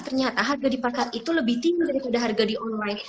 ternyata harga di pasar itu lebih tinggi daripada harga di online